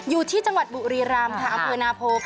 อยู่ที่จังหวัดบุรีรามภาพวนาโพค่ะ